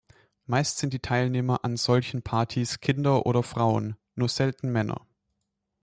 Meist sind die Teilnehmer an solchen Partys Kinder oder Frauen, nur selten Männer.